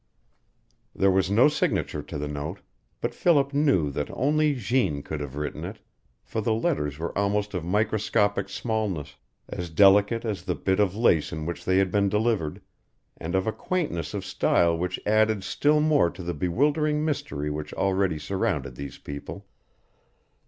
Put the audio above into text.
There was no signature to the note, but Philip knew that only Jeanne could have written it, for the letters were almost of microscopic smallness, as delicate as the bit of lace in which they had been delivered, and of a quaintness of style which added still more to the bewildering mystery which already surrounded these people.